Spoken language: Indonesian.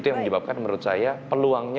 itu yang menyebabkan menurut saya peluangnya